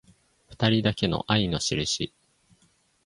ふたりだけの愛のしるし